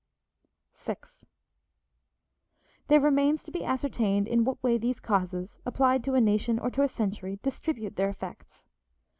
VI There remains to be ascertained in what way these causes, applied to a nation or to a century, distribute their effects.